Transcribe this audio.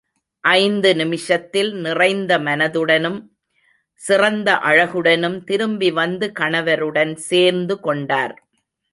ஐந்து நிமிஷத்தில் நிறைந்த மனதுடனும் சிறந்த அழகுடனும் திரும்பி வந்து கணவருடன் சேர்ந்து கொண்டார்.